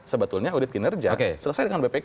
sebetulnya audit kinerja selesai dengan bpk